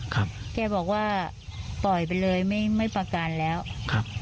ครับแกบอกว่าปล่อยไปเลยไม่ไม่ประกันแล้วครับ